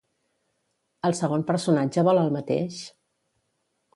El segon personatge vol el mateix?